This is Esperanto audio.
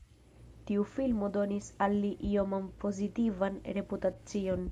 Tiu filmo donis al li ioman pozitivan reputacion.